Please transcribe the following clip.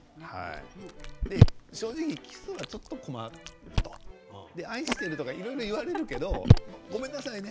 正直キスはちょっと困ると愛しているとかいろいろ言われるけどごめんなさいね。